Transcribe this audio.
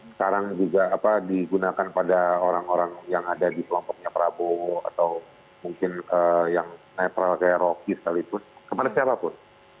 sekarang juga digunakan pada orang orang yang ada di kelompoknya prabowo atau mungkin yang netral kayak rocky sekaligus kepada siapapun